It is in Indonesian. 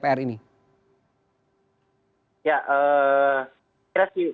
bagaimana cara mengganti gorden rumah anggota dpr